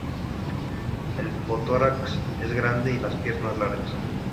El protórax es grande y las piernas largas.